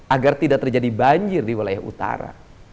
agar tidak terjadi banjir di wilayah utara